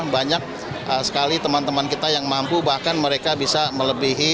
banyak sekali teman teman kita yang mampu bahkan mereka bisa melebihi